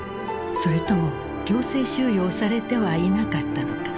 それとも強制収容されてはいなかったのか。